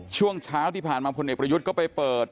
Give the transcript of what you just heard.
ช่วงเช้าที่ผ่านมาพลเอกประยุทธ์ก็ไปเปิด